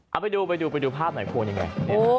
เอาไปดูไปดูไปดูภาพหน่อยควรยังไง